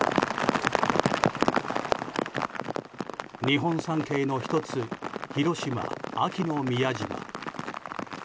日本三景の１つ広島・安芸の宮島。